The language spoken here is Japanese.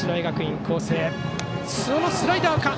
そのスライダーか。